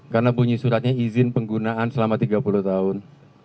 karena bunyi suratnya izin penggunaan selama tiga puluh tahun